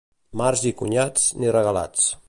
Març i cunyats, ni regalats.